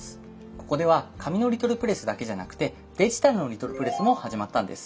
ここでは紙のリトルプレスだけじゃなくてデジタルのリトルプレスも始まったんです。